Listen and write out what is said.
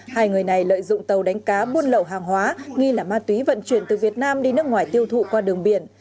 hai người này lợi dụng tàu đánh cá buôn lậu hàng hóa nghi là ma túy vận chuyển từ việt nam đi nước ngoài tiêu thụ qua đường biển